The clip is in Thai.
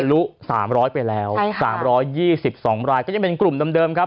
ลุ๓๐๐ไปแล้ว๓๒๒รายก็ยังเป็นกลุ่มเดิมครับ